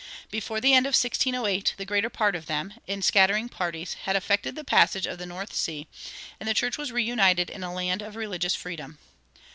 Before the end of 1608 the greater part of them, in scattering parties, had effected the passage of the North Sea, and the church was reunited in a land of religious freedom.